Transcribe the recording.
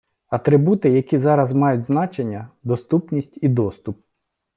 Атрибути, які зараз мають значення - доступність і доступ.